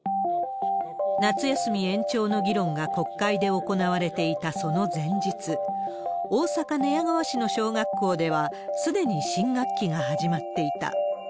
夏休み延長の議論が国会で行われていたその前日、大阪・寝屋川市の小学校では、すでに新学期が始まっていた。